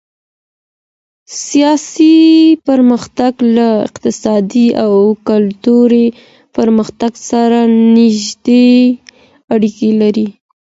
سياسي پرمختګ له اقتصادي او کلتوري پرمختګ سره نږدې اړيکي لري.